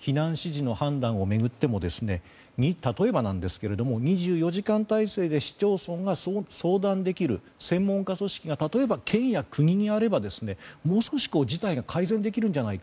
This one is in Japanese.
避難指示の判断を巡っても例えば、２４時間態勢で市町村が相談できる専門家組織が例えば県や国にあればもう少し事態が改善できるのではないか。